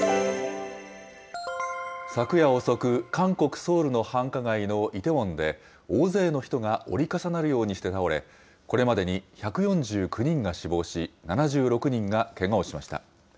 昨夜遅く、韓国・ソウルの繁華街のイテウォンで、大勢の人が折り重なるようにして倒れ、これまでに１４９人が死亡し、７６人がけがをしました。